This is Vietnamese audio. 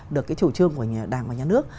được cái chủ trương của đảng và nhà nước